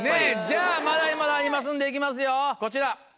じゃあまだまだありますんでいきますよこちら。